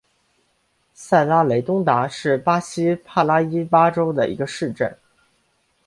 塞拉雷东达是巴西帕拉伊巴州的一个市镇。